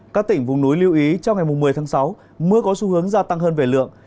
các tỉnh vùng núi lưu ý trong ngày một mươi tháng sáu mưa có xu hướng gia tăng hơn về lượng